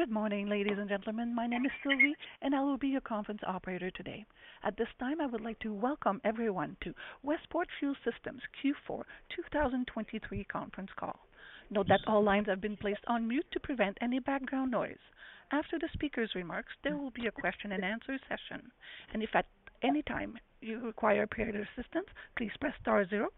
Good morning, ladies and gentlemen. My name is Sylvie, and I will be your conference operator today. At this time, I would like to welcome everyone to Westport Fuel Systems Q4 2023 conference call. Note that all lines have been placed on mute to prevent any background noise. After the speaker's remarks, there will be a question and answer session. If at any time you require operator assistance, please press star zero,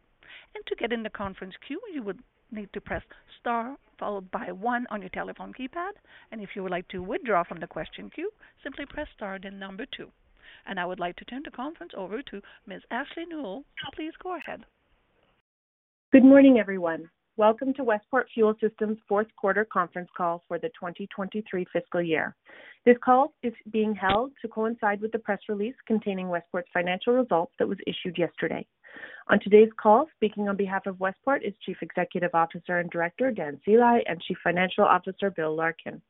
and to get in the conference queue, you would need to press star, followed by one on your telephone keypad. If you would like to withdraw from the question queue, simply press star then number two. I would like to turn the conference over to Ms. Ashley Nuell. Please go ahead. Good morning, everyone. Welcome to Westport Fuel Systems fourth quarter conference call for the 2023 fiscal year. This call is being held to coincide with the press release containing Westport's financial results that was issued yesterday. On today's call, speaking on behalf of Westport is Chief Executive Officer and Director, Dan Sceli, and Chief Financial Officer, Bill Larkin.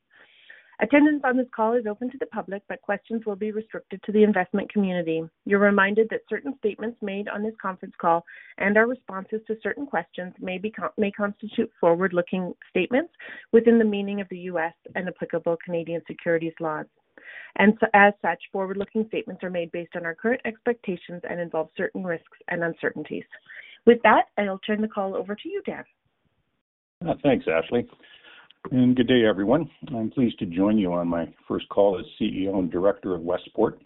Attendance on this call is open to the public, but questions will be restricted to the investment community. You're reminded that certain statements made on this conference call and our responses to certain questions may constitute forward-looking statements within the meaning of the U.S. and applicable Canadian securities laws. And so as such, forward-looking statements are made based on our current expectations and involve certain risks and uncertainties. With that, I'll turn the call over to you, Dan. Thanks, Ashley, and good day, everyone. I'm pleased to join you on my first call as CEO and Director of Westport.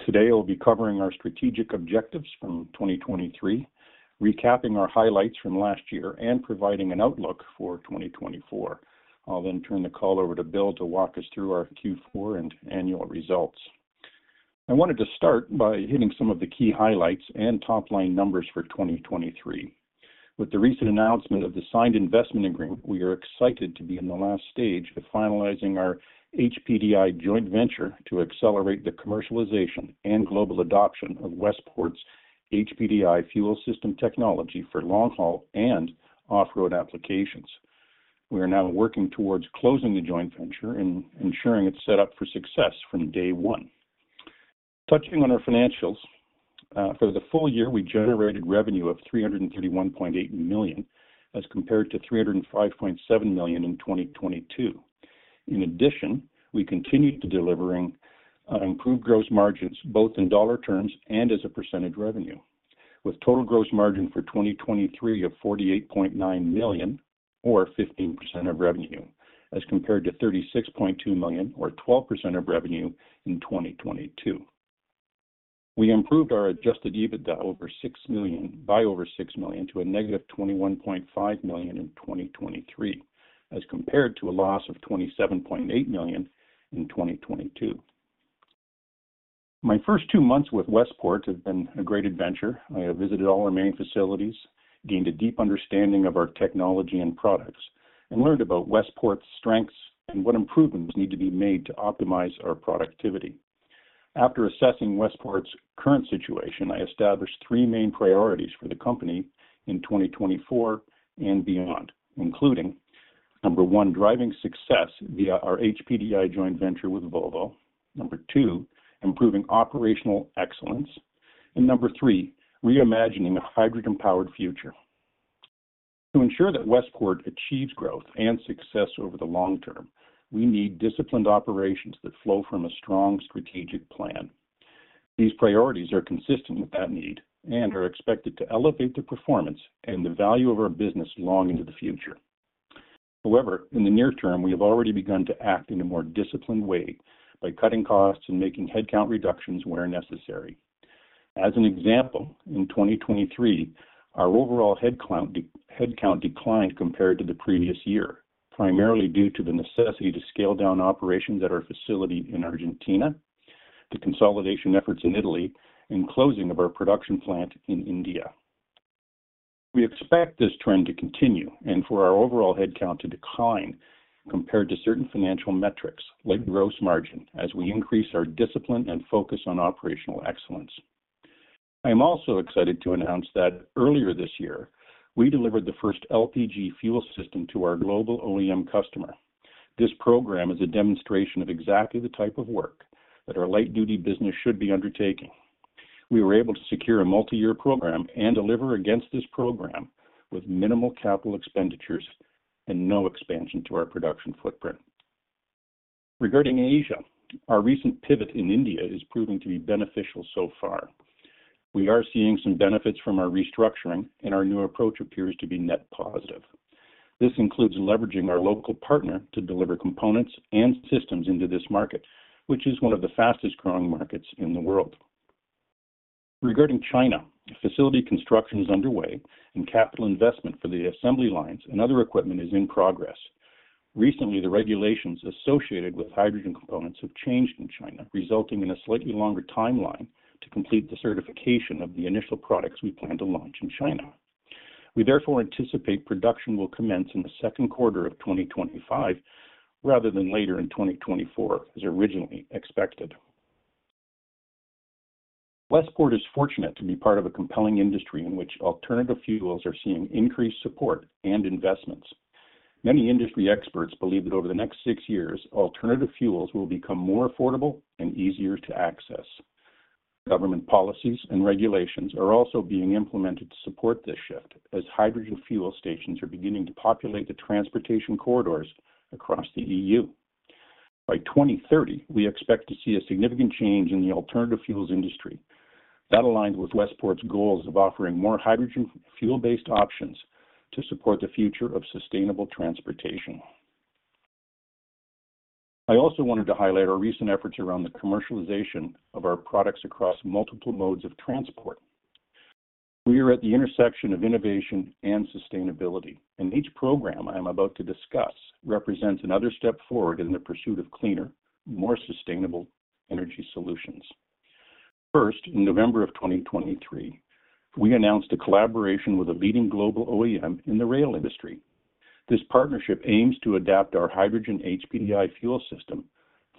Today, I'll be covering our strategic objectives from 2023, recapping our highlights from last year, and providing an outlook for 2024. I'll then turn the call over to Bill to walk us through our Q4 and annual results. I wanted to start by hitting some of the key highlights and top-line numbers for 2023. With the recent announcement of the signed investment agreement, we are excited to be in the last stage of finalizing our HPDI joint venture to accelerate the commercialization and global adoption of Westport's HPDI fuel system technology for long-haul and off-road applications. We are now working towards closing the joint venture and ensuring it's set up for success from day one. Touching on our financials, for the full year, we generated revenue of $331.8 million, as compared to $305.7 million in 2022. In addition, we continued to delivering improved gross margins, both in dollar terms and as a percentage revenue, with total gross margin for 2023 of $48.9 million or 15% of revenue, as compared to $36.2 million or 12% of revenue in 2022. We improved our adjusted EBITDA by over $6 million to -$21.5 million in 2023, as compared to a loss of $27.8 million in 2022. My first two months with Westport have been a great adventure. I have visited all our main facilities, gained a deep understanding of our technology and products, and learned about Westport's strengths and what improvements need to be made to optimize our productivity. After assessing Westport's current situation, I established three main priorities for the company in 2024 and beyond, including 1, driving success via our HPDI joint venture with Volvo. 2, improving operational excellence. 3, reimagining a hydrogen-powered future. To ensure that Westport achieves growth and success over the long term, we need disciplined operations that flow from a strong strategic plan. These priorities are consistent with that need and are expected to elevate the performance and the value of our business long into the future. However, in the near term, we have already begun to act in a more disciplined way by cutting costs and making headcount reductions where necessary. As an example, in 2023, our overall headcount declined compared to the previous year, primarily due to the necessity to scale down operations at our facility in Argentina, the consolidation efforts in Italy, and closing of our production plant in India. We expect this trend to continue and for our overall headcount to decline compared to certain financial metrics, like gross margin, as we increase our discipline and focus on operational excellence. I am also excited to announce that earlier this year, we delivered the first LPG fuel system to our global OEM customer. This program is a demonstration of exactly the type of work that our light duty business should be undertaking. We were able to secure a multi-year program and deliver against this program with minimal capital expenditures and no expansion to our production footprint. Regarding Asia, our recent pivot in India is proving to be beneficial so far. We are seeing some benefits from our restructuring, and our new approach appears to be net positive. This includes leveraging our local partner to deliver components and systems into this market, which is one of the fastest-growing markets in the world. Regarding China, facility construction is underway and capital investment for the assembly lines and other equipment is in progress. Recently, the regulations associated with hydrogen components have changed in China, resulting in a slightly longer timeline to complete the certification of the initial products we plan to launch in China. We therefore anticipate production will commence in the second quarter of 2025 rather than later in 2024, as originally expected. Westport is fortunate to be part of a compelling industry in which alternative fuels are seeing increased support and investments. Many industry experts believe that over the next six years, alternative fuels will become more affordable and easier to access. Government policies and regulations are also being implemented to support this shift, as hydrogen fuel stations are beginning to populate the transportation corridors across the EU. By 2030, we expect to see a significant change in the alternative fuels industry. That aligns with Westport's goals of offering more hydrogen fuel-based options to support the future of sustainable transportation. I also wanted to highlight our recent efforts around the commercialization of our products across multiple modes of transport. We are at the intersection of innovation and sustainability, and each program I am about to discuss represents another step forward in the pursuit of cleaner, more sustainable energy solutions. First, in November of 2023, we announced a collaboration with a leading global OEM in the rail industry. This partnership aims to adapt our hydrogen HPDI fuel system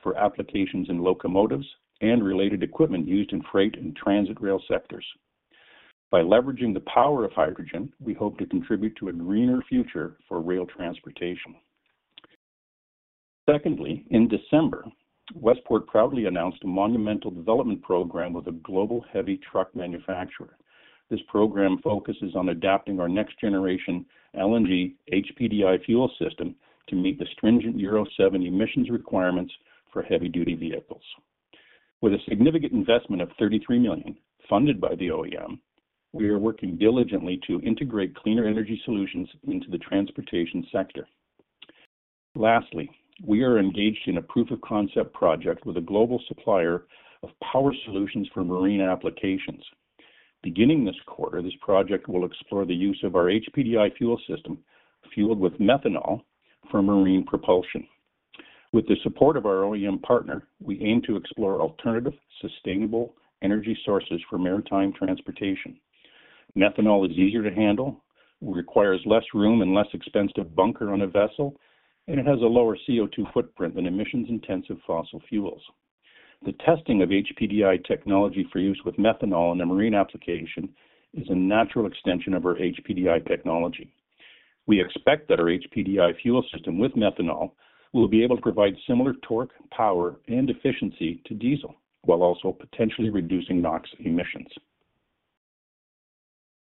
for applications in locomotives and related equipment used in freight and transit rail sectors. By leveraging the power of hydrogen, we hope to contribute to a greener future for rail transportation. Secondly, in December, Westport proudly announced a monumental development program with a global heavy truck manufacturer. This program focuses on adapting our next generation LNG HPDI fuel system to meet the stringent Euro 7 emissions requirements for heavy-duty vehicles. With a significant investment of $33 million, funded by the OEM, we are working diligently to integrate cleaner energy solutions into the transportation sector. Lastly, we are engaged in a proof of concept project with a global supplier of power solutions for marine applications. Beginning this quarter, this project will explore the use of our HPDI fuel system, fueled with methanol for marine propulsion. With the support of our OEM partner, we aim to explore alternative, sustainable energy sources for maritime transportation. Methanol is easier to handle, requires less room and less expensive to bunker on a vessel, and it has a lower CO₂ footprint than emissions-intensive fossil fuels. The testing of HPDI technology for use with methanol in a marine application is a natural extension of our HPDI technology. We expect that our HPDI fuel system with methanol will be able to provide similar torque, power, and efficiency to diesel, while also potentially reducing NOx emissions.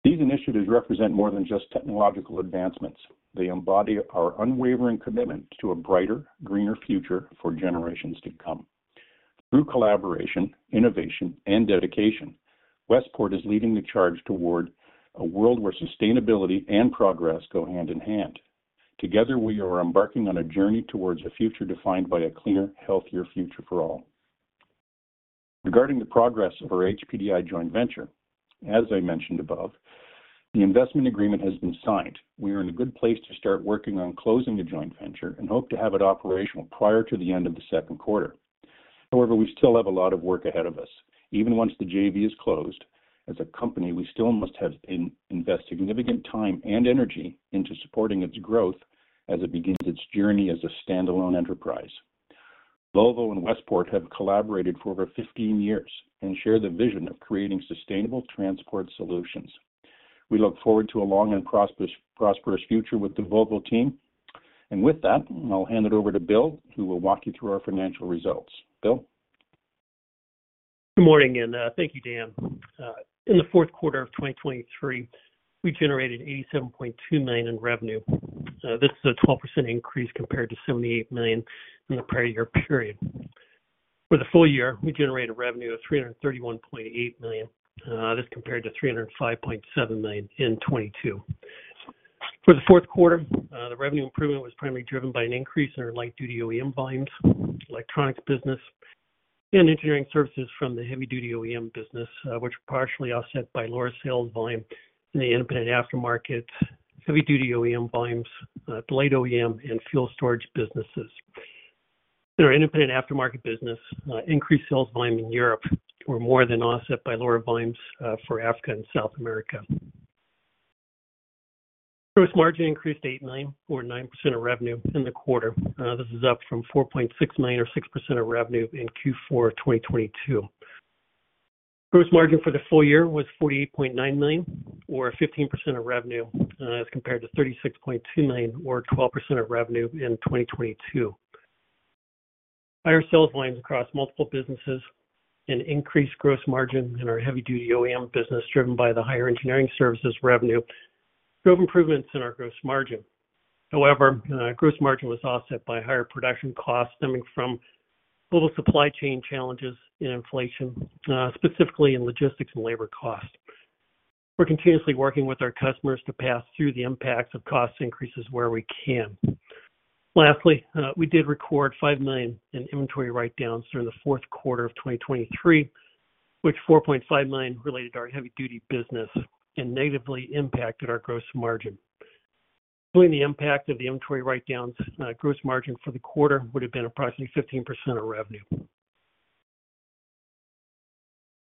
These initiatives represent more than just technological advancements. They embody our unwavering commitment to a brighter, greener future for generations to come. Through collaboration, innovation, and dedication, Westport is leading the charge toward a world where sustainability and progress go hand in hand. Together, we are embarking on a journey towards a future defined by a cleaner, healthier future for all. Regarding the progress of our HPDI joint venture, as I mentioned above, the investment agreement has been signed. We are in a good place to start working on closing the joint venture and hope to have it operational prior to the end of the second quarter. However, we still have a lot of work ahead of us. Even once the JV is closed, as a company, we still must invest significant time and energy into supporting its growth as it begins its journey as a standalone enterprise. Volvo and Westport have collaborated for over 15 years and share the vision of creating sustainable transport solutions. We look forward to a long and prosperous future with the Volvo team. With that, I'll hand it over to Bill, who will walk you through our financial results. Bill? Good morning, and thank you, Dan. In the fourth quarter of 2023, we generated $87.2 million in revenue. This is a 12% increase compared to $78 million in the prior year period. For the full year, we generated revenue of $331.8 million. This compared to $305.7 million in 2022. For the fourth quarter, the revenue improvement was primarily driven by an increase in our light-duty OEM volumes, electronics business, and engineering services from the heavy-duty OEM business, which were partially offset by lower sales volume in the independent aftermarket, heavy-duty OEM volumes, light OEM and fuel storage businesses. In our independent aftermarket business, increased sales volume in Europe were more than offset by lower volumes for Africa and South America. Gross margin increased $8 million or 9% of revenue in the quarter. This is up from $4.6 million or 6% of revenue in Q4 of 2022. Gross margin for the full year was $48.9 million or 15% of revenue, as compared to $36.2 million or 12% of revenue in 2022. Higher sales volumes across multiple businesses and increased gross margin in our heavy-duty OEM business, driven by the higher engineering services revenue, drove improvements in our gross margin. However, gross margin was offset by higher production costs stemming from global supply chain challenges and inflation, specifically in logistics and labor costs. We're continuously working with our customers to pass through the impacts of cost increases where we can. Lastly, we did record $5 million in inventory write-downs during the fourth quarter of 2023, which $4.5 million related to our heavy-duty business and negatively impacted our gross margin. Including the impact of the inventory write-downs, gross margin for the quarter would have been approximately 15% of revenue.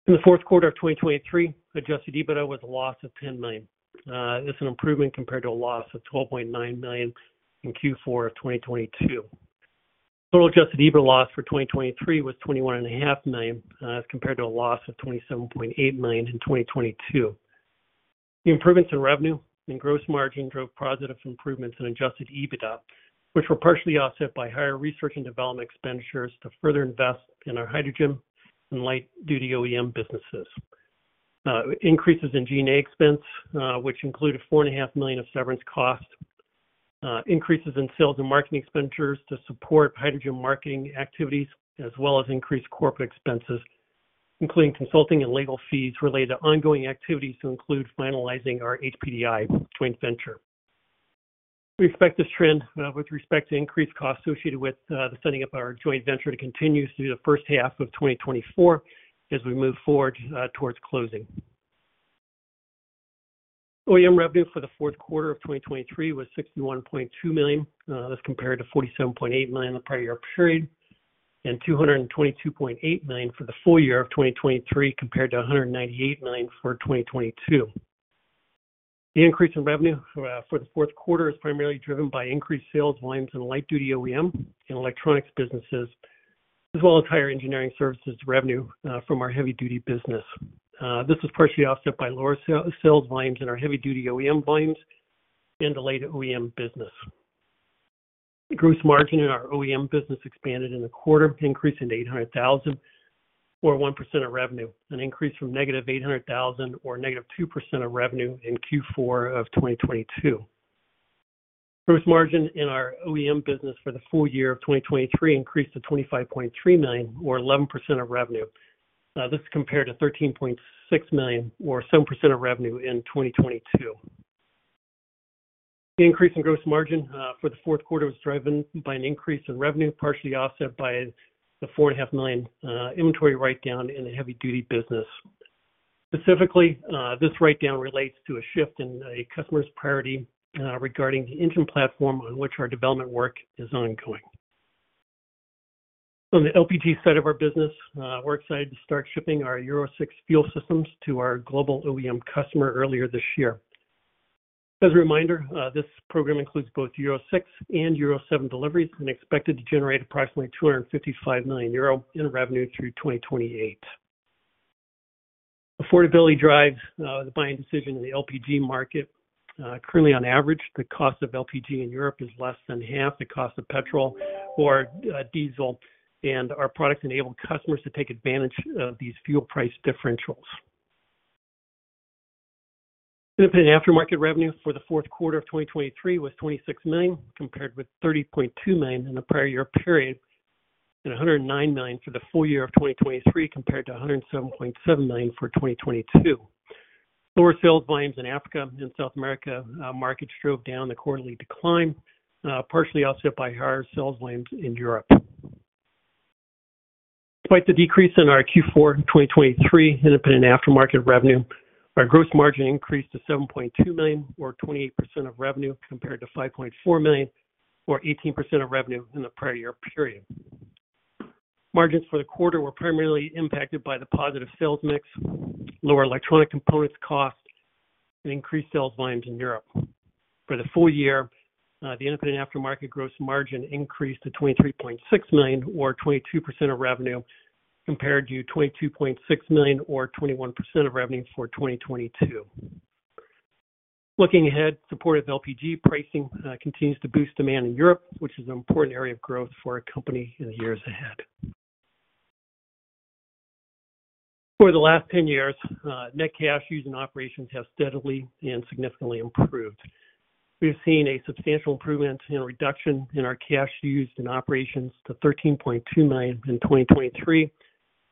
In the fourth quarter of 2023, adjusted EBITDA was a loss of $10 million. This is an improvement compared to a loss of $12.9 million in Q4 of 2022. Total adjusted EBITDA loss for 2023 was $21.5 million, as compared to a loss of $27.8 million in 2022. The improvements in revenue and gross margin drove positive improvements in adjusted EBITDA, which were partially offset by higher research and development expenditures to further invest in our hydrogen and light-duty OEM businesses. Increases in G&A expense, which include $4.5 million of severance costs, increases in sales and marketing expenditures to support hydrogen marketing activities, as well as increased corporate expenses, including consulting and legal fees related to ongoing activities to include finalizing our HPDI joint venture. We expect this trend with respect to increased costs associated with the setting up our joint venture to continue through the first half of 2024 as we move forward towards closing. OEM revenue for the fourth quarter of 2023 was $61.2 million, as compared to $47.8 million the prior year period, and $222.8 million for the full year of 2023, compared to $198 million for 2022. The increase in revenue for the fourth quarter is primarily driven by increased sales volumes in light-duty OEM and electronics businesses, as well as higher engineering services revenue from our heavy-duty business. This was partially offset by lower sales volumes in our heavy-duty OEM volumes and the light-duty OEM business. The gross margin in our OEM business expanded in the quarter, increasing to $800,000 or 1% of revenue, an increase from negative $800,000 or negative 2% of revenue in Q4 of 2022. Gross margin in our OEM business for the full year of 2023 increased to $25.3 million or 11% of revenue. This compared to $13.6 million or 7% of revenue in 2022. The increase in gross margin for the fourth quarter was driven by an increase in revenue, partially offset by the $4.5 million inventory write-down in the heavy duty business. Specifically, this write-down relates to a shift in a customer's priority regarding the engine platform on which our development work is ongoing. On the LPG side of our business, we're excited to start shipping our Euro 6 fuel systems to our global OEM customer earlier this year. As a reminder, this program includes both Euro 6 and Euro 7 deliveries and expected to generate approximately 255 million euro in revenue through 2028. Affordability drives the buying decision in the LPG market. Currently, on average, the cost of LPG in Europe is less than half the cost of petrol or diesel, and our products enable customers to take advantage of these fuel price differentials. Independent aftermarket revenue for the fourth quarter of 2023 was $26 million, compared with $30.2 million in the prior year period, and $109 million for the full year of 2023, compared to $107.7 million for 2022. Lower sales volumes in Africa and South America markets drove down the quarterly decline, partially offset by higher sales volumes in Europe. Despite the decrease in our Q4 2023 independent aftermarket revenue, our gross margin increased to $7.2 million or 28% of revenue, compared to $5.4 million or 18% of revenue in the prior year period. Margins for the quarter were primarily impacted by the positive sales mix, lower electronic components cost, and increased sales volumes in Europe. For the full year, the independent aftermarket gross margin increased to $23.6 million or 22% of revenue, compared to $22.6 million or 21% of revenue for 2022. Looking ahead, supportive LPG pricing continues to boost demand in Europe, which is an important area of growth for our company in the years ahead. For the last ten years, net cash used in operations have steadily and significantly improved. We've seen a substantial improvement in reduction in our cash used in operations to $13.2 million in 2023,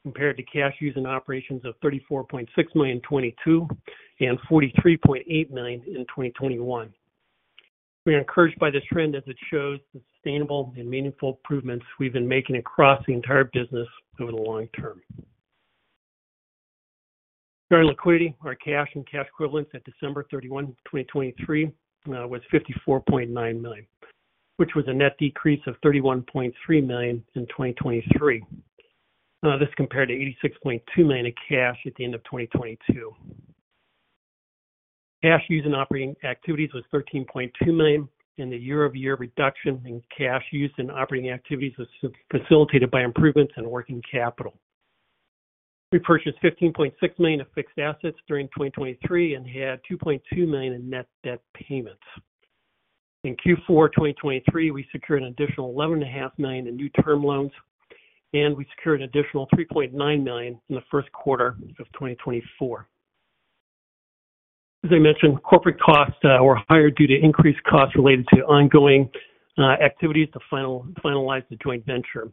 compared to cash used in operations of $34.6 million in 2022, and $43.8 million in 2021. We are encouraged by this trend as it shows the sustainable and meaningful improvements we've been making across the entire business over the long term. Our liquidity, our cash and cash equivalents at December 31, 2023, was $54.9 million, which was a net decrease of $31.3 million in 2023. This compared to $86.2 million in cash at the end of 2022. Cash used in operating activities was $13.2 million, and the year-over-year reduction in cash used in operating activities was facilitated by improvements in working capital. We purchased $15.6 million of fixed assets during 2023 and had $2.2 million in net debt payments. In Q4 2023, we secured an additional $11.5 million in new term loans, and we secured an additional $3.9 million in the first quarter of 2024. As I mentioned, corporate costs were higher due to increased costs related to ongoing activities to finalize the joint venture,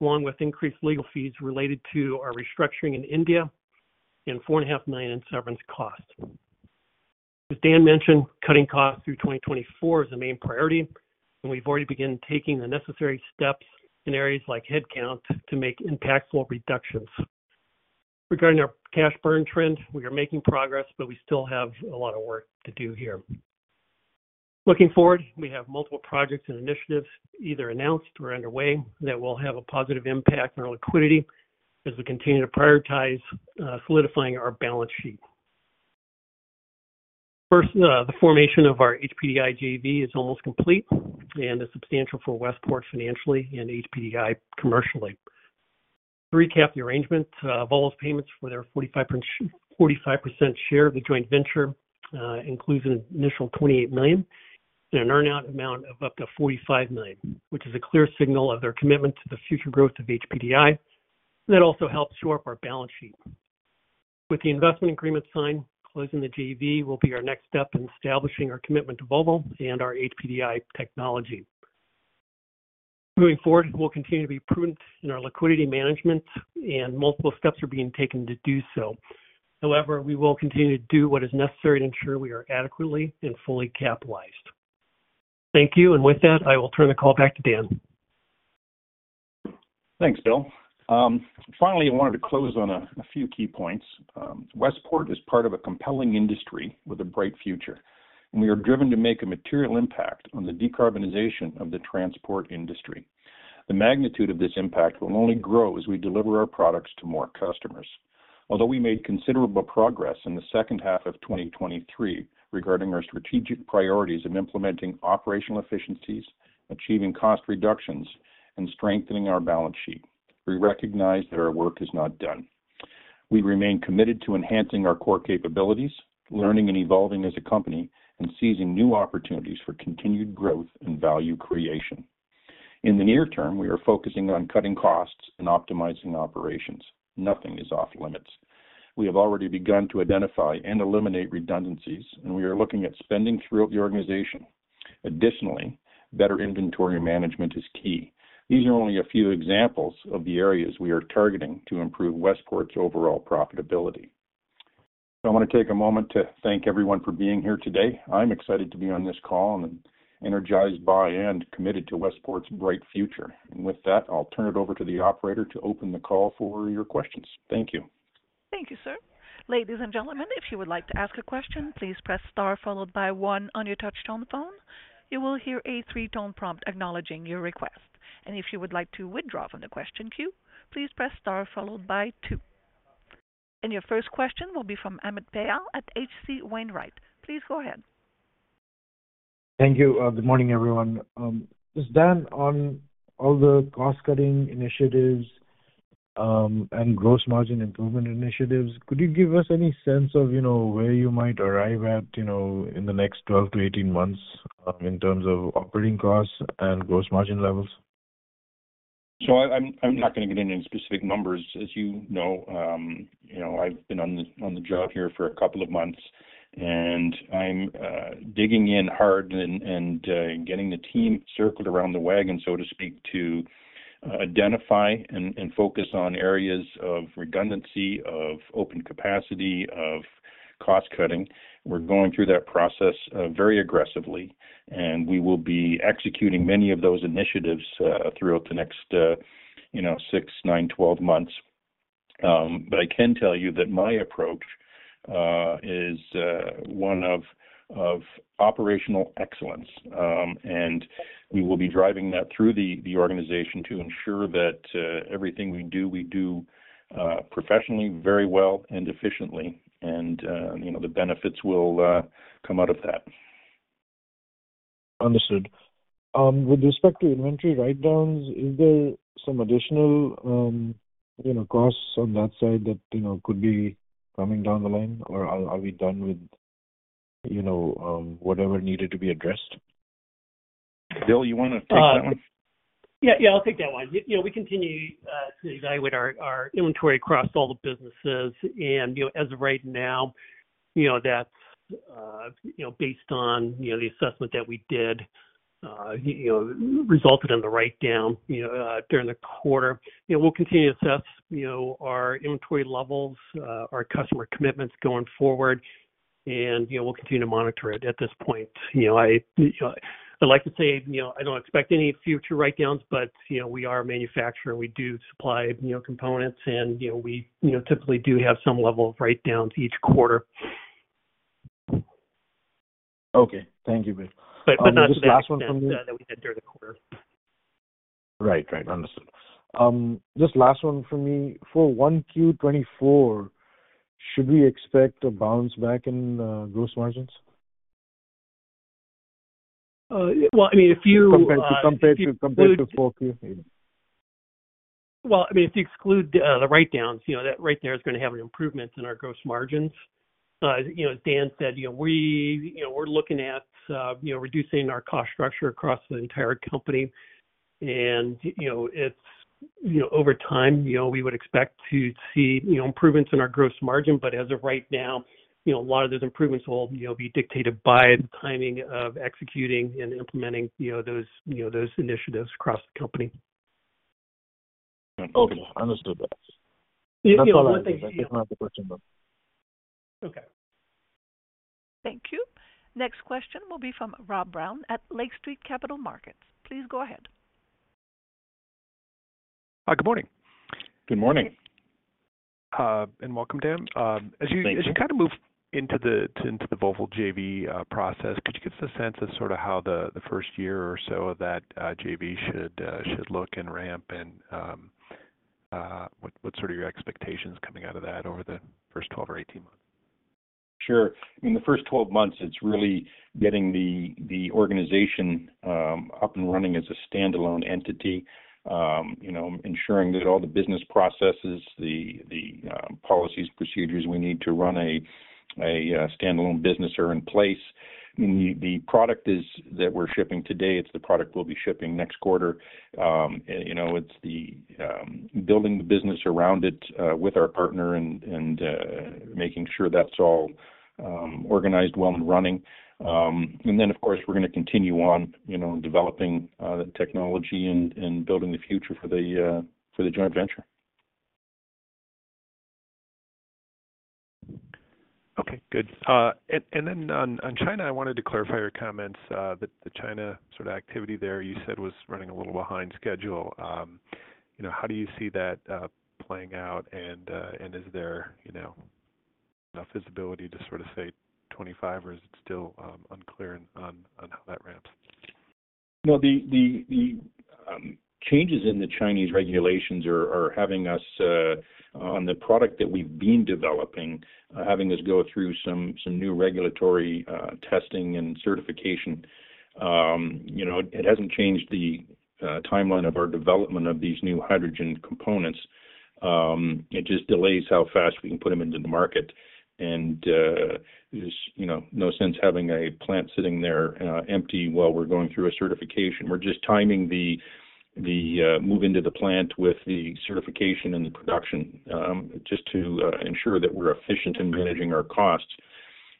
along with increased legal fees related to our restructuring in India and $4.5 million in severance costs. As Dan mentioned, cutting costs through 2024 is the main priority, and we've already begun taking the necessary steps in areas like headcount to make impactful reductions. Regarding our cash burn trend, we are making progress, but we still have a lot of work to do here. Looking forward, we have multiple projects and initiatives either announced or underway that will have a positive impact on our liquidity as we continue to prioritize solidifying our balance sheet. First, the formation of our HPDI JV is almost complete and is substantial for Westport financially and HPDI commercially. To recap the arrangement, Volvo's payments for their 45%, 45% share of the joint venture includes an initial $28 million and an earn-out amount of up to $45 million, which is a clear signal of their commitment to the future growth of HPDI. That also helps shore up our balance sheet. With the investment agreement signed, closing the JV will be our next step in establishing our commitment to Volvo and our HPDI technology. Moving forward, we'll continue to be prudent in our liquidity management, and multiple steps are being taken to do so. However, we will continue to do what is necessary to ensure we are adequately and fully capitalized. Thank you, and with that, I will turn the call back to Dan. Thanks, Bill. Finally, I wanted to close on a few key points. Westport is part of a compelling industry with a bright future, and we are driven to make a material impact on the decarbonization of the transport industry. The magnitude of this impact will only grow as we deliver our products to more customers. Although we made considerable progress in the second half of 2023 regarding our strategic priorities of implementing operational efficiencies, achieving cost reductions, and strengthening our balance sheet, we recognize that our work is not done. We remain committed to enhancing our core capabilities, learning and evolving as a company, and seizing new opportunities for continued growth and value creation. In the near term, we are focusing on cutting costs and optimizing operations. Nothing is off-limits. We have already begun to identify and eliminate redundancies, and we are looking at spending throughout the organization. Additionally, better inventory management is key. These are only a few examples of the areas we are targeting to improve Westport's overall profitability. I want to take a moment to thank everyone for being here today. I'm excited to be on this call and energized by and committed to Westport's bright future. With that, I'll turn it over to the operator to open the call for your questions. Thank you. Thank you, sir. Ladies and gentlemen, if you would like to ask a question, please press star followed by one on your touchtone phone. You will hear a three-tone prompt acknowledging your request. If you would like to withdraw from the question queue, please press Star followed by two. Your first question will be from Amit Dayal at H.C. Wainwright. Please go ahead. Thank you. Good morning, everyone. Dan, on all the cost-cutting initiatives, and gross margin improvement initiatives, could you give us any sense of, you know, where you might arrive at, you know, in the next 12-18 months, in terms of operating costs and gross margin levels? So I'm not going to get into any specific numbers. As you know, you know, I've been on the job here for a couple of months, and I'm digging in hard and getting the team circled around the wagon, so to speak, to identify and focus on areas of redundancy, of open capacity, of cost cutting. We're going through that process very aggressively, and we will be executing many of those initiatives throughout the next, you know, 6, 9, 12 months. But I can tell you that my approach is one of operational excellence. And we will be driving that through the organization to ensure that everything we do, we do professionally, very well and efficiently, and you know, the benefits will come out of that. Understood. With respect to inventory write-downs, is there some additional, you know, costs on that side that, you know, could be coming down the line, or are we done with, you know, whatever needed to be addressed? Bill, you want to take that one? Yeah, yeah, I'll take that one. You know, we continue to evaluate our, our inventory across all the businesses, and, you know, as of right now, you know, that's, you know, based on, you know, the assessment that we did, you know, resulted in the write-down, you know, during the quarter. You know, we'll continue to assess, you know, our inventory levels, our customer commitments going forward, and, you know, we'll continue to monitor it at this point. You know, I, I'd like to say, you know, I don't expect any future write-downs, but, you know, we are a manufacturer. We do supply, you know, components and, you know, we, you know, typically do have some level of write-downs each quarter. Okay. Thank you, Bill. But not to the extent that we had during the quarter. Right. Right. Understood. Just last one for me. For 1Q24, should we expect a bounce back in gross margins? Well, I mean, if you Compared to Q4. Well, I mean, if you exclude the write-downs, you know, that right there is going to have an improvement in our gross margins. You know, as Dan said, you know, we, you know, we're looking at, you know, reducing our cost structure across the entire company and, you know, it's, you know, over time, you know, we would expect to see, you know, improvements in our gross margin. But as of right now, you know, a lot of those improvements will, you know, be dictated by the timing of executing and implementing, you know, those, you know, those initiatives across the company. Okay, understood. That's all I have. I didn't have a question. Okay. Thank you. Next question will be from Rob Brown at Lake Street Capital Markets. Please go ahead. Good morning. Good morning. Welcome, Dan. Thank you. As you kind of move into the Volvo JV process, could you give us a sense of sort of how the first year or so of that JV should look and ramp and what sort of your expectations coming out of that over the first 12 or 18 months? Sure. In the first 12 months, it's really getting the organization up and running as a standalone entity. You know, ensuring that all the business processes, the policies, procedures we need to run a standalone business are in place. The product that we're shipping today, it's the product we'll be shipping next quarter. You know, it's building the business around it with our partner and making sure that's all organized well and running. And then, of course, we're gonna continue on, you know, developing the technology and building the future for the joint venture. Okay, good. And, and then on, on China, I wanted to clarify your comments, that the China sort of activity there, you said was running a little behind schedule. You know, how do you see that playing out? And, and is there, you know, a feasibility to sort of say 25, or is it still unclear on, on how that ramps? Well, the changes in the Chinese regulations are having us on the product that we've been developing, having us go through some new regulatory testing and certification. You know, it hasn't changed the timeline of our development of these new hydrogen components. It just delays how fast we can put them into the market. And there's, you know, no sense having a plant sitting there empty while we're going through a certification. We're just timing the move into the plant with the certification and the production just to ensure that we're efficient in managing our costs.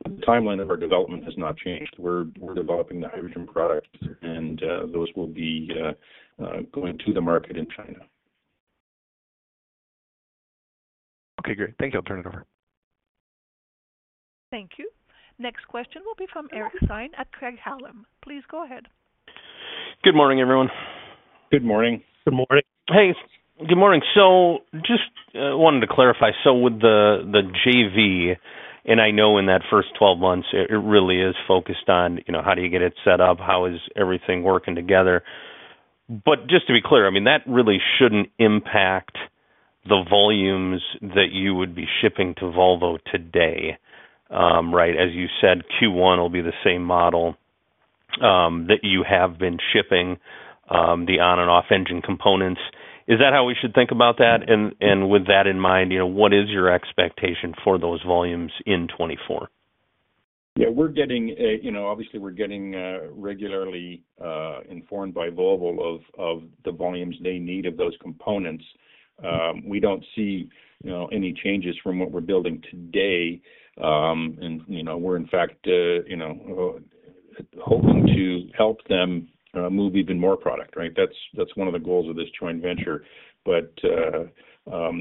The timeline of our development has not changed. We're developing the hydrogen products, and those will be going to the market in China. Okay, great. Thank you. I'll turn it over. Thank you. Next question will be from Eric Stine at Craig-Hallum. Please go ahead. Good morning, everyone. Good morning. Good morning. Hey, good morning. So just wanted to clarify. So with the, the JV, and I know in that first 12 months, it really is focused on, you know, how do you get it set up, how is everything working together? But just to be clear, I mean, that really shouldn't impact the volumes that you would be shipping to Volvo today. Right? As you said, Q1 will be the same model, that you have been shipping, the on and off engine components. Is that how we should think about that? And with that in mind, you know, what is your expectation for those volumes in 2024? Yeah, we're getting, you know, obviously, we're getting regularly informed by Volvo of the volumes they need of those components. We don't see, you know, any changes from what we're building today. And, you know, we're in fact, you know, hoping to help them move even more product, right? That's one of the goals of this joint venture. But,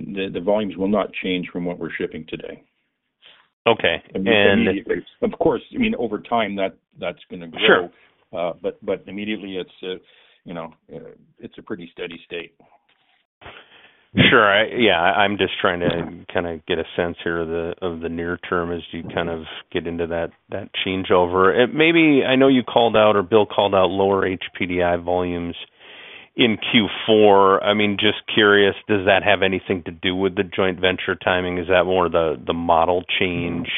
the volumes will not change from what we're shipping today. Okay, and- Of course, I mean, over time, that's gonna grow. Sure. But immediately it's, you know, it's a pretty steady state. Sure. Yeah, I'm just trying to kinda get a sense here of the near term as you kind of get into that changeover. And maybe I know you called out or Bill called out lower HPDI volumes in Q4. I mean, just curious, does that have anything to do with the joint venture timing? Is that more of the model change,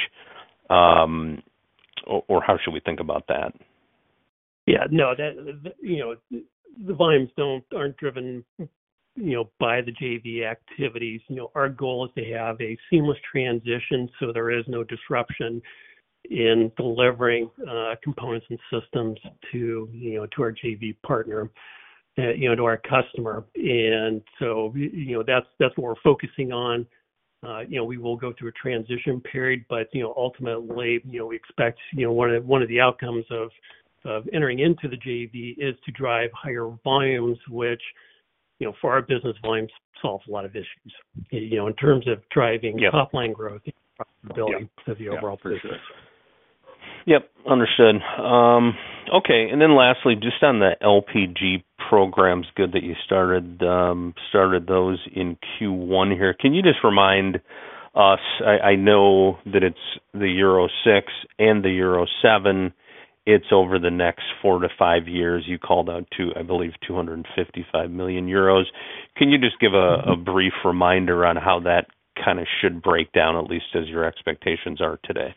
or how should we think about that? Yeah. No, that, you know, the volumes aren't driven, you know, by the JV activities. You know, our goal is to have a seamless transition, so there is no disruption in delivering components and systems to, you know, to our JV partner, you know, to our customer. And so, you know, that's what we're focusing on. You know, we will go through a transition period, but, you know, ultimately, you know, we expect, you know, one of, one of the outcomes of entering into the JV is to drive higher volumes, which, you know, for our business volumes, solves a lot of issues, you know, in terms of driving- Yeah. Top-line growth, profitability- Yeah. Of the overall business. Yep, understood. Okay, and then lastly, just on the LPG programs, good that you started those in Q1 here. Can you just remind us? I know that it's the Euro 6 and the Euro 7. It's over the next four to five years. You called out to, I believe, 255 million euros. Can you just give a brief reminder on how that kinda should break down, at least as your expectations are today?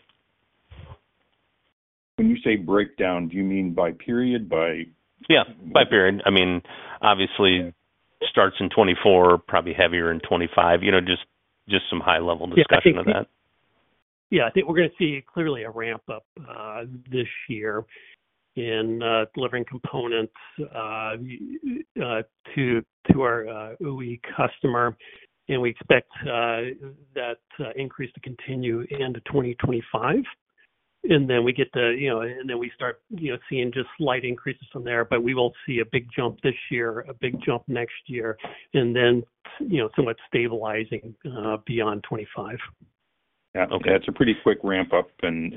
When you say breakdown, do you mean by period, by? Yeah, by period. I mean, obviously starts in 2024, probably heavier in 2025. You know, just some high-level discussion of that. Yeah, I think we're gonna see clearly a ramp-up this year in delivering components to our OE customer. We expect that increase to continue into 2025. Then we get the, you know, and then we start, you know, seeing just slight increases from there. But we will see a big jump this year, a big jump next year, and then, you know, somewhat stabilizing beyond 2025. Yeah. Okay. It's a pretty quick ramp up and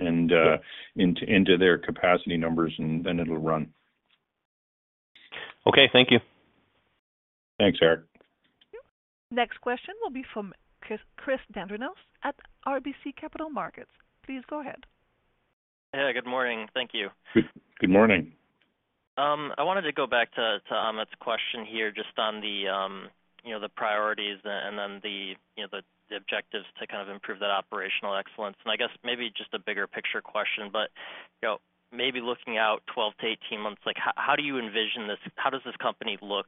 into their capacity numbers, and then it'll run. Okay. Thank you. Thanks, Eric. Next question will be from Chris, Chris Dendrinos at RBC Capital Markets. Please go ahead. Hey, good morning. Thank you. Good, good morning. I wanted to go back to Amit's question here, just on the priorities and then the objectives to kind of improve that operational excellence. I guess maybe just a bigger picture question, but you know, maybe looking out 12-18 months, like, how do you envision this—how does this company look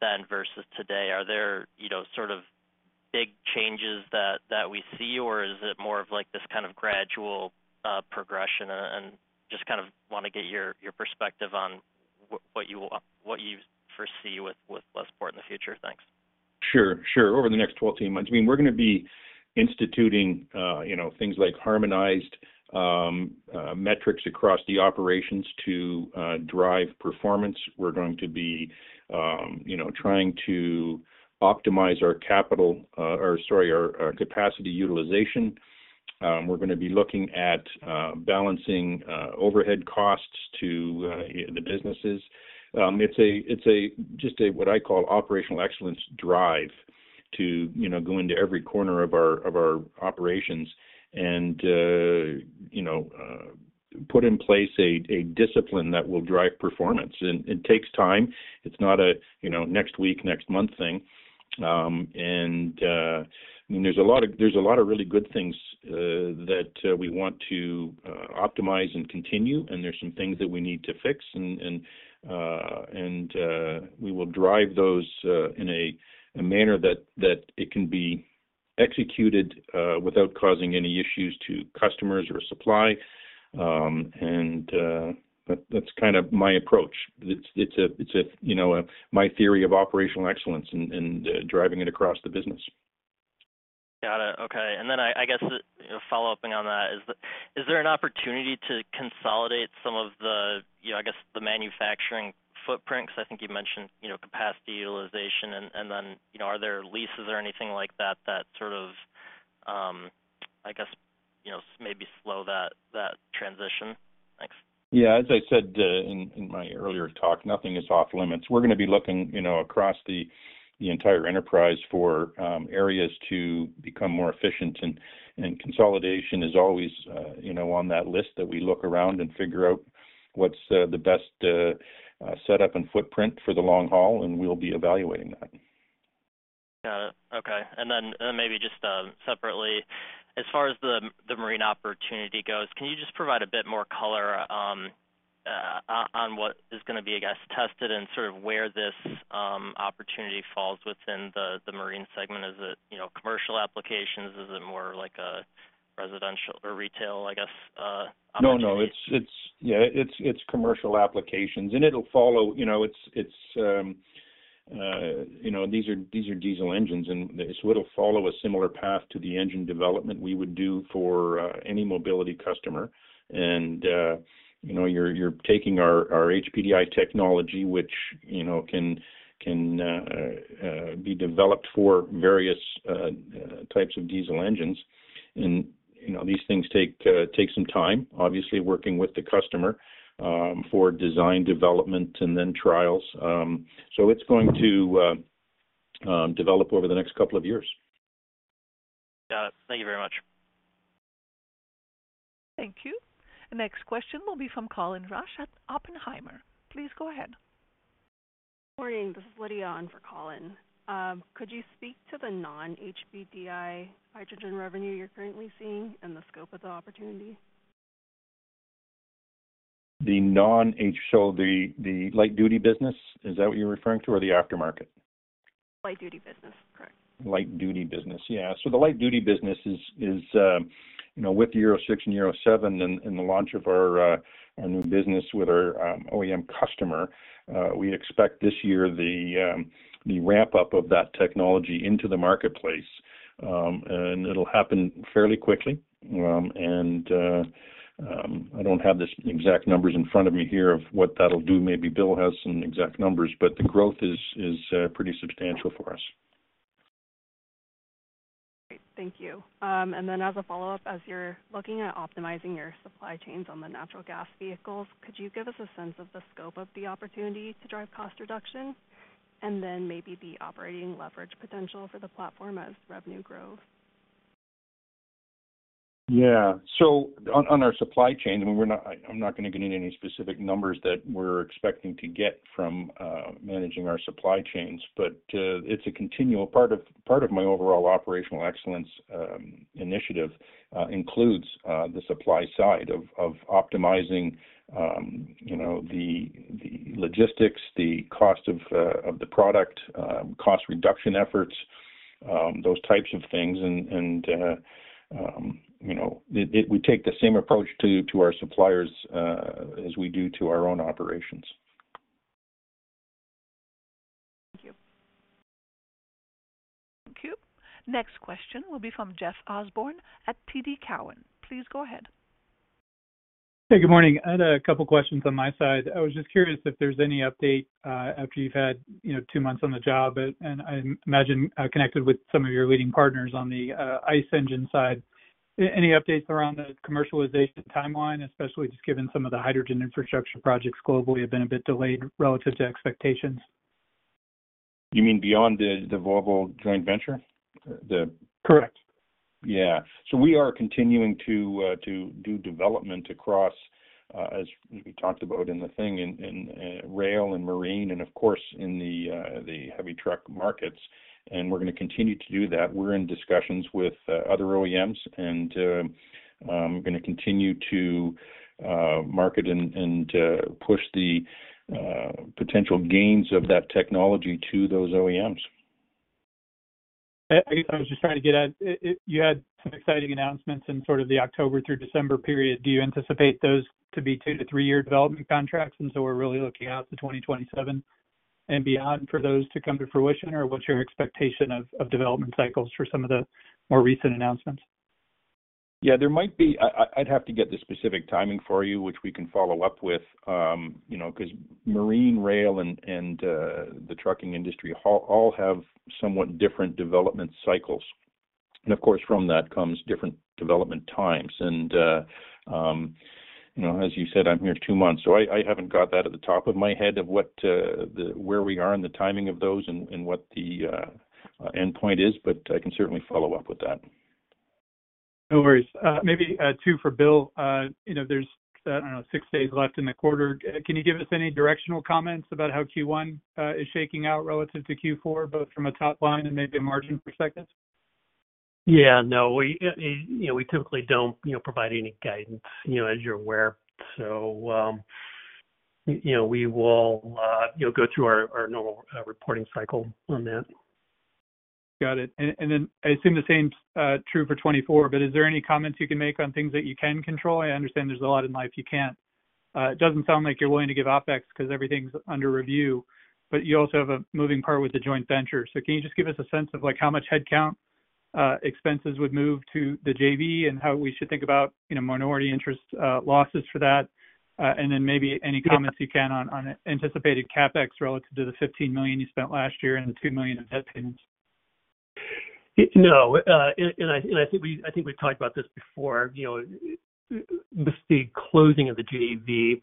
then versus today? Are there, you know, sort of big changes that we see, or is it more of like this kind of gradual progression? And just kind of want to get your perspective on what you foresee with Westport in the future. Thanks. Sure, sure. Over the next 12, 18 months, I mean, we're going to be instituting, you know, things like harmonized metrics across the operations to drive performance. We're going to be, you know, trying to optimize our capital, or sorry, our, our capacity utilization. We're gonna be looking at balancing overhead costs to the businesses. It's a, it's a, just a, what I call, operational excellence drive to, you know, go into every corner of our, of our operations and, you know, put in place a, a discipline that will drive performance. It takes time. It's not a, you know, next week, next month thing. I mean, there's a lot of, there's a lot of really good things that we want to optimize and continue, and there's some things that we need to fix. And we will drive those in a manner that it can be executed without causing any issues to customers or supply. And that's kind of my approach. It's a, you know, my theory of operational excellence and driving it across the business. Got it. Okay. And then I guess following up on that, is the... Is there an opportunity to consolidate some of the, you know, I guess, the manufacturing footprints? I think you mentioned, you know, capacity utilization, and then, you know, are there leases or anything like that, that sort of, I guess, you know, maybe slow that transition? Thanks. Yeah. As I said, in my earlier talk, nothing is off limits. We're gonna be looking, you know, across the entire enterprise for areas to become more efficient, and consolidation is always, you know, on that list that we look around and figure out what's the best setup and footprint for the long haul, and we'll be evaluating that. Got it. Okay. And then, and maybe just, separately, as far as the, the marine opportunity goes, can you just provide a bit more color, on what is gonna be, I guess, tested and sort of where this, opportunity falls within the, the marine segment? Is it, you know, commercial applications? Is it more like a residential or retail, I guess, opportunity? No, no, it's yeah, it's commercial applications, and it'll follow. You know, it's diesel engines, and so it'll follow a similar path to the engine development we would do for any mobility customer. And, you know, you're taking our HPDI technology, which, you know, can be developed for various types of diesel engines. And, you know, these things take some time, obviously, working with the customer, for design, development, and then trials. So it's going to develop over the next couple of years. Got it. Thank you very much. Thank you. The next question will be from Colin Rusch at Oppenheimer. Please go ahead. Morning, this is Lydia on for Colin. Could you speak to the non-HPDI hydrogen revenue you're currently seeing and the scope of the opportunity? So the light-duty business, is that what you're referring to, or the aftermarket? Light-duty business, correct. Light-duty business. Yeah. So the light-duty business is, you know, with Euro 6 and Euro 7 and the launch of our new business with our OEM customer, we expect this year the ramp-up of that technology into the marketplace. And it'll happen fairly quickly. And I don't have the exact numbers in front of me here of what that'll do. Maybe Bill has some exact numbers, but the growth is pretty substantial for us. Great, thank you. And then as a follow-up, as you're looking at optimizing your supply chains on the natural gas vehicles, could you give us a sense of the scope of the opportunity to drive cost reduction? And then maybe the operating leverage potential for the platform as revenue grows. Yeah. So on our supply chain, I mean, we're not—I'm not gonna get into any specific numbers that we're expecting to get from managing our supply chains, but it's a continual part of my overall operational excellence initiative. It includes the supply side of optimizing, you know, the logistics, the cost of the product, cost reduction efforts, those types of things. And you know, it—we take the same approach to our suppliers as we do to our own operations. Thank you. Thank you. Next question will be from Jeff Osborne at TD Cowen. Please go ahead. Hey, good morning. I had a couple questions on my side. I was just curious if there's any update after you've had, you know, two months on the job, but... I imagine connected with some of your leading partners on the ICE engine side. Any updates around the commercialization timeline, especially just given some of the hydrogen infrastructure projects globally have been a bit delayed relative to expectations? You mean beyond the Volvo joint venture? The- Correct. Yeah. So we are continuing to do development across, as we talked about in the thing, in rail and marine, and of course, in the heavy truck markets. We're gonna continue to do that. We're in discussions with other OEMs, and we're gonna continue to market and push the potential gains of that technology to those OEMs. I guess I was just trying to get at, you had some exciting announcements in sort of the October through December period. Do you anticipate those to be 2- to 3-year development contracts, and so we're really looking out to 2027 and beyond for those to come to fruition? Or what's your expectation of development cycles for some of the more recent announcements? Yeah, there might be. I'd have to get the specific timing for you, which we can follow up with, you know, 'cause marine, rail, and the trucking industry all have somewhat different development cycles. And of course, from that comes different development times. And, you know, as you said, I'm here two months, so I haven't got that at the top of my head of what where we are in the timing of those and what the endpoint is, but I can certainly follow up with that. No worries. Maybe, two for Bill. You know, there's, I don't know, six days left in the quarter. Can you give us any directional comments about how Q1 is shaking out relative to Q4, both from a top line and maybe a margin perspective? Yeah, no, we, you know, we typically don't, you know, provide any guidance, you know, as you're aware. So, you know, we will, you know, go through our normal reporting cycle on that. Got it. And, and then I assume the same true for 2024, but is there any comments you can make on things that you can control? I understand there's a lot in life you can't. It doesn't sound like you're willing to give OpEx because everything's under review, but you also have a moving part with the joint venture. So can you just give us a sense of, like, how much headcount, expenses would move to the JV and how we should think about, you know, minority interest, losses for that? And then maybe any comments you can on, on anticipated CapEx relative to the $15 million you spent last year and the $2 million in debt payments. No, and I think we've talked about this before, you know, with the closing of the JV,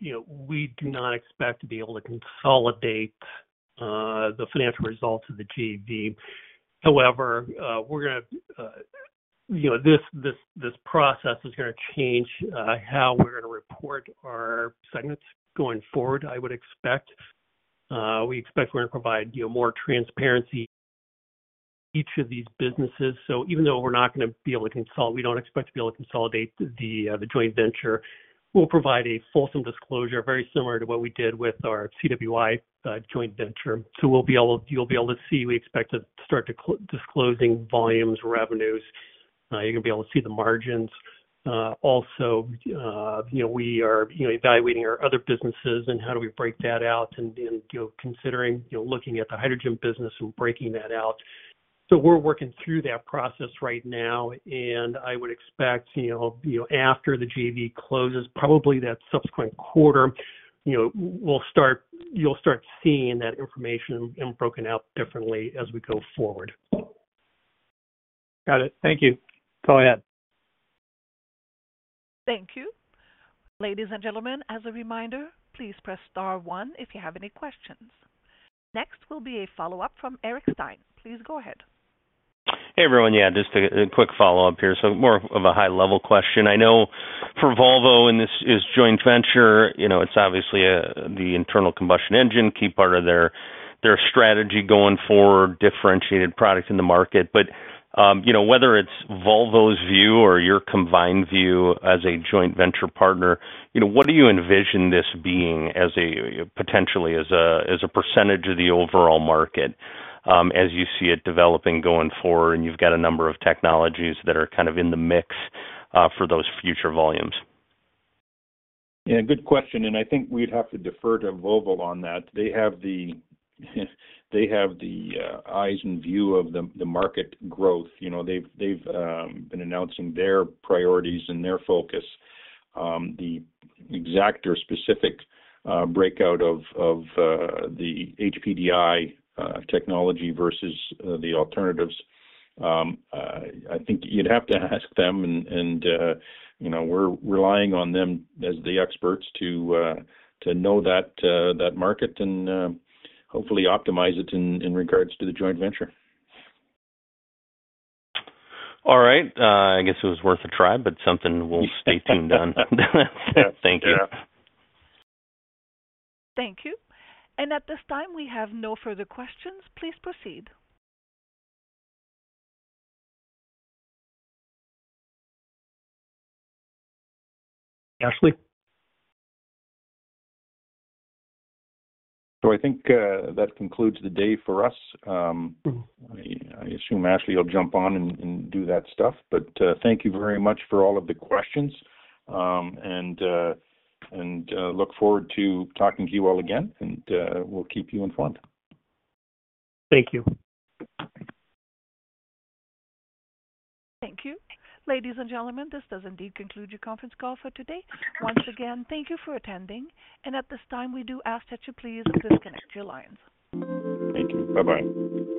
you know, we do not expect to be able to consolidate the financial results of the JV. However, we're gonna, you know, this process is gonna change how we're gonna report our segments going forward, I would expect. We expect we're gonna provide, you know, more transparency each of these businesses. So even though we're not gonna be able to consolidate, we don't expect to be able to consolidate the joint venture. We'll provide a fulsome disclosure, very similar to what we did with our CWI joint venture. So we'll be able—you'll be able to see, we expect to start disclosing volumes, revenues. You're gonna be able to see the margins. Also, you know, we are, you know, evaluating our other businesses and how do we break that out and, you know, considering, you know, looking at the hydrogen business and breaking that out. So we're working through that process right now, and I would expect, you know, you know, after the JV closes, probably that subsequent quarter, you know, we'll start-- you'll start seeing that information and broken out differently as we go forward. Got it. Thank you. Go ahead. Thank you. Ladies and gentlemen, as a reminder, please press star one if you have any questions. Next will be a follow-up from Eric Stine. Please go ahead. Hey, everyone. Yeah, just a quick follow-up here. So more of a high-level question. I know for Volvo, and this is joint venture, you know, it's obviously the internal combustion engine, key part of their strategy going forward, differentiated products in the market. But, you know, whether it's Volvo's view or your combined view as a joint venture partner, you know, what do you envision this being as a potentially as a percentage of the overall market, as you see it developing going forward, and you've got a number of technologies that are kind of in the mix for those future volumes? Yeah, good question, and I think we'd have to defer to Volvo on that. They have the eyes and view of the market growth. You know, they've been announcing their priorities and their focus. The exact or specific breakout of the HPDI technology versus the alternatives, I think you'd have to ask them, and you know, we're relying on them as the experts to know that market and hopefully optimize it in regards to the joint venture. All right, I guess it was worth a try, but something we'll stay tuned on. Thank you. Yeah. Thank you. And at this time, we have no further questions. Please proceed. So I think that concludes the day for us. I assume Ashley will jump on and do that stuff. But thank you very much for all of the questions. And look forward to talking to you all again, and we'll keep you informed. Thank you. Thank you. Ladies and gentlemen, this does indeed conclude your conference call for today. Once again, thank you for attending, and at this time, we do ask that you please disconnect your lines. Thank you. Bye-bye.